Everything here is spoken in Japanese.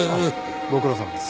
ご苦労さまです。